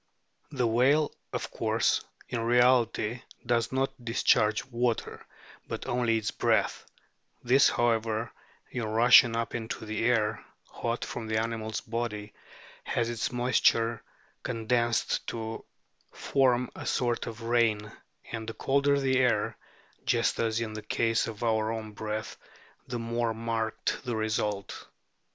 The whale, of course, in reality does not discharge water, but only its breath ; this, however, in rushing up into the air hot from the animal's body, has its moisture con densed to form a sort of rain, and the colder the air, just as in the case of our own breath, the more marked the result.